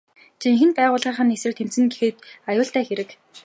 Жинхэнэ байгууллынх нь эсрэг тэмцэнэ гэхэд аюултай хэрэг.